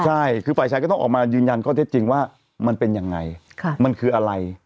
ใช่คือฝ่ายชายก็ต้องออกมายืนยันข้อเท็จจริงว่ามันเป็นยังไงมันคืออะไร